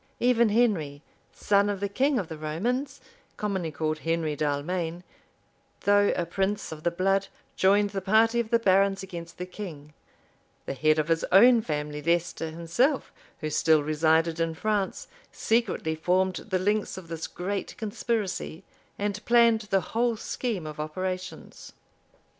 Even Henry, son of the king of the Romans, commonly called Henry d'Allmaine, though a prince of the blood, joined the party of the barons against the king, the head of his own family Leicester himself, who still resided in France, secretly formed the links of this great conspiracy, and planned the whole scheme of operations.